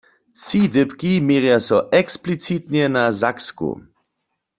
Tři dypki měrja so eksplicitnje na Saksku.